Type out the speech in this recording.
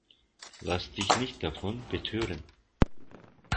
Lass dich nicht davon betören!